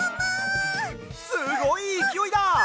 すごいいきおいだ！